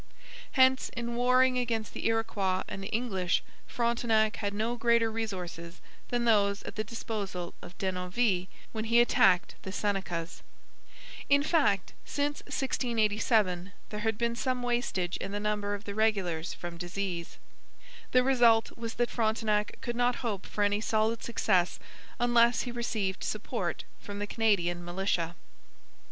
Hence, in warring against the Iroquois and the English Frontenac had no greater resources than those at the disposal of Denonville when he attacked the Senecas. In fact, since 1687 there had been some wastage in the number of the regulars from disease. The result was that Frontenac could not hope for any solid success unless he received support from the Canadian militia.